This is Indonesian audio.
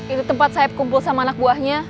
itu tempat saya kumpul sama anak buahnya